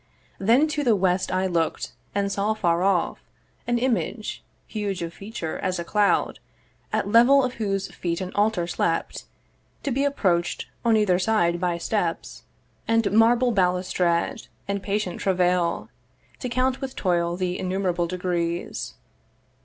Then to the west I look'd, and saw far off An image, huge of feature as a cloud, At level of whose feet an altar slept, To be approach'd on either side by steps, And marble balustrade, and patient travail To count with toil the innumerable degrees.